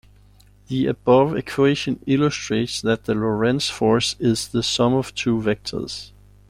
The above equation illustrates that the Lorentz force is the sum of two vectors.